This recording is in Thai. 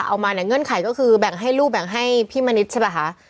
เอามาเนี่ยเงื่อนไขก็คือแบ่งให้ลูกแบ่งให้พี่มณิษฐ์ใช่ป่ะคะ